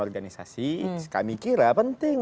organisasi kami kira penting